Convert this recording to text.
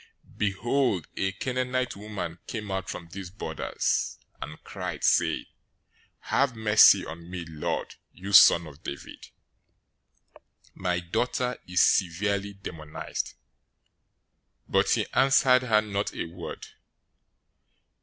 015:022 Behold, a Canaanite woman came out from those borders, and cried, saying, "Have mercy on me, Lord, you son of David! My daughter is severely demonized!" 015:023 But he answered her not a word.